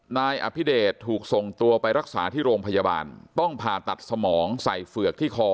นายอภิเดชถูกส่งตัวไปรักษาที่โรงพยาบาลต้องผ่าตัดสมองใส่เฝือกที่คอ